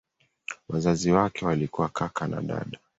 Wazazi wake walikuwa kaka na dada.